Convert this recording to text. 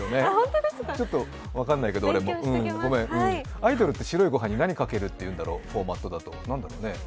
アイドルって白いご飯に何かけるって言うんだろう、フォーマットだと。